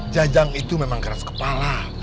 jajang itu memang keras kepala